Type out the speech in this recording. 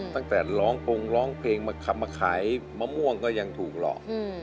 ตั้งแต่ร้องพงร้องเพลงมาขับมาขายมะม่วงก็ยังถูกหลอก